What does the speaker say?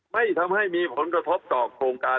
ไม่ทำให้มีผลกระทบต่อโครงการ